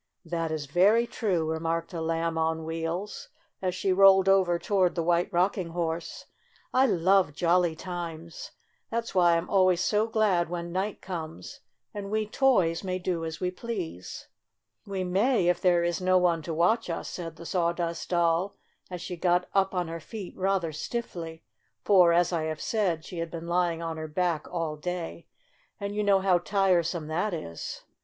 "That is very true," remarked a Lamb on Wheels, as she rolled over toward the White Rocking Horse. '' I love j oily times. That's why I'm always so glad when night FUN IN TOY TOWN 5 comes and we toys may do as we please/ ' "We may, if there is no one to watch us," said the Sawdust Doll, as she got up on her feet, rather stiffly, for, as I have said, she had been lying on her back all day, and you know how tiresome that is.